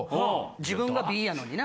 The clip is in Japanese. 自分がＢやのにな。